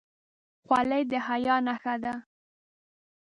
خولۍ د حیا نښه ده.